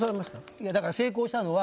いやだから成功したのは。